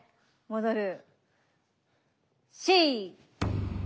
戻る。